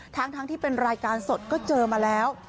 ทั้งที่เป็นรายการสดก็เจอมาแล้ว